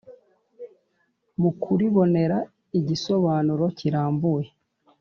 mu kuribonera igisobanuro, kirambuye